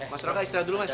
mas raka istirahat dulu mas